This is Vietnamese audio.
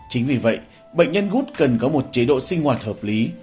chính vì vậy bệnh nhân gút cần có một chế độ sinh hoạt hợp lý